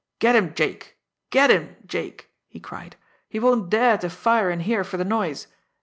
"Get him, Jake! Get him, Jake!" he cried. "He won't dare to fire in here for the noise.